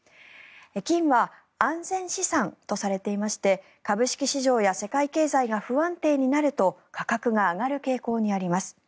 金は安全資産とされていまして株式市場や世界経済が不安定になると価格が上がる傾向にあります。